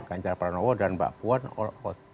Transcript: ganjar peran allah dan mbak puan all out